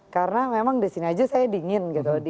karena memang di sini aja saya dingin gitu